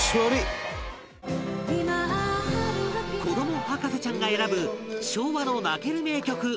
子ども博士ちゃんが選ぶ昭和の泣ける名曲